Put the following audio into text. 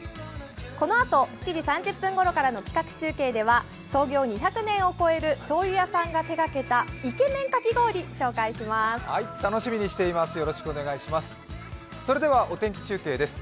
このあと７時３０分ごろからの企画中継では創業２００年の醤油屋さんが手がけたイケメンかき氷紹介します。